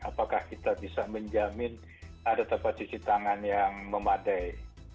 apakah kita bisa menjamin ada tempat cuci tangan yang memadai